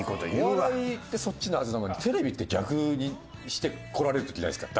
お笑いってそっちのはずなのにテレビって逆にしてこられる時ないですか？